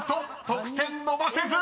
得点伸ばせず！］